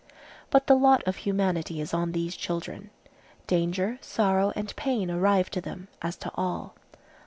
But the lot of humanity is on these children. Danger, sorrow, and pain arrive to them, as to all.